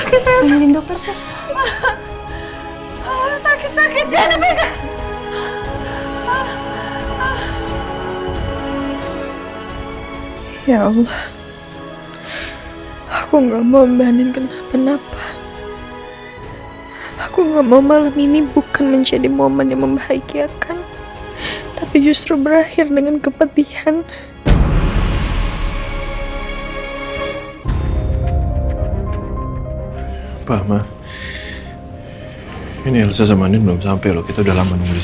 halo selamat malam kami dari rumah sakit sejahtera apa ini dengan pak aldebaran alfahri